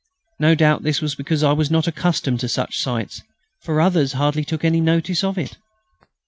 No doubt this was because I was not accustomed to such sights, for others hardly took any notice of it.